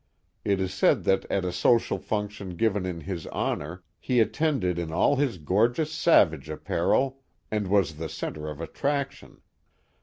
It is said that at a social function given in his honor, he attended in all his gorgeous savage apparel, and was the centre of attraction.